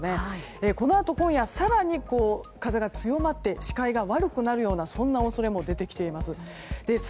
このあと今夜、更に風が強まって視界が悪くなるようなそんな恐れも出てきています。